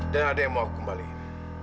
dan ada yang mau aku kembalikan